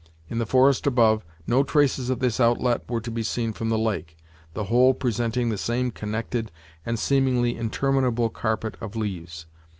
In the forest above, no traces of this outlet were to be seen from the lake, the whole presenting the same connected and seemingly interminable carpet of leaves.